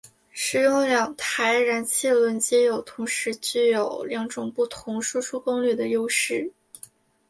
使用两台燃气轮机有同时拥有两种不同输出功率的优势。